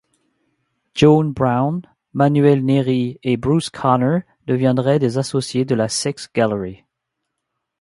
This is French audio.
Joan Brown, Manuel Neri, et Bruce Conner deviendraient des associés de la Six Gallery.